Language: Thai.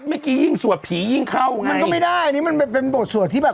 เมื่อกี้ยิ่งสวดผียิ่งเข้าอย่างนี้มันก็ไม่ได้อันนี้มันเป็นบทสวดที่แบบ